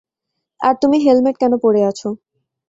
আর তুমি হেলমেট কেন পড়ে আছ?